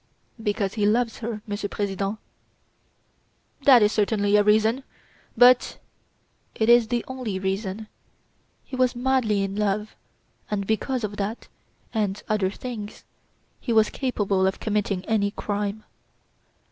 "Because he loves her, Monsieur President." "That is certainly a reason, but " "It is the only reason. He was madly in love, and because of that, and other things, he was capable of committing any crime."